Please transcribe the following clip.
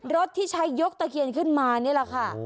รถที่ใช้ยกตะเคียนขึ้นมานี่แหละค่ะ